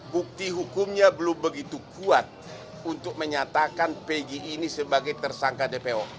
bukti hukumnya belum begitu kuat untuk menyatakan pg ini sebagai tersangka dpo